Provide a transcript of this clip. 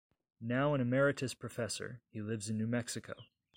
Now an Emeritus Professor, he lives in New Mexico.